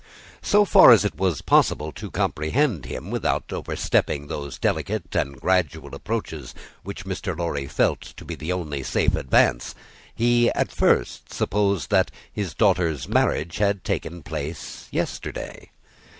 So far as it was possible to comprehend him without overstepping those delicate and gradual approaches which Mr. Lorry felt to be the only safe advance, he at first supposed that his daughter's marriage had taken place yesterday.